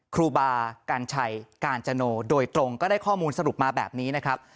ครูบากัญชัยกาญจโนโดยตรงก็ได้ข้อมูลสรุปมาแบบนี้นะครับ